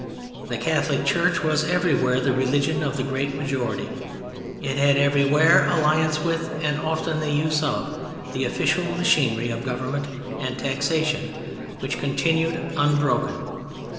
The Catholic Church was everywhere the religion of the great majority; it had everywhere alliance with, and often the use of, the official machinery of government and taxation which continued unbroken.